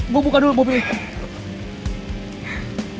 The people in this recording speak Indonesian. gue buka dulu mobilnya